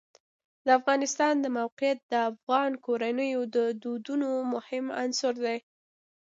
د افغانستان د موقعیت د افغان کورنیو د دودونو مهم عنصر دی.